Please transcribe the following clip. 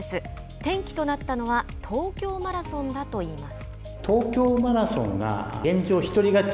転機となったのは東京マラソンだといいます。